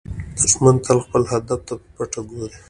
دښمن تل خپل هدف ته په پټه ګوري